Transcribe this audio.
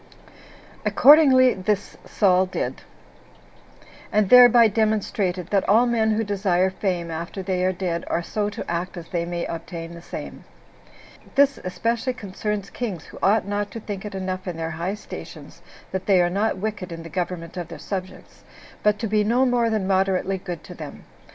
Accordingly this Saul did, and thereby demonstrated that all men who desire fame after they are dead are so to act as they may obtain the same: this especially concerns kings, who ought not to think it enough in their high stations that they are not wicked in the government of their subjects, but to be no more than moderately good to them.